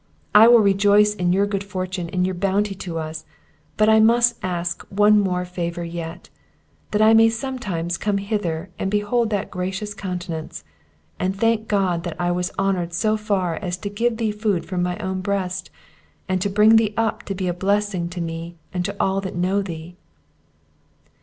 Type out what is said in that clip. I will rejoice in your good fortune, and your bounty to us, but I must ask one more favour yet; that I may sometimes come hither and behold that gracious countenance, and thank God that I was honoured so far as to give thee food from my own breast, and to bring thee up to be a blessing to me, and to all that know thee!"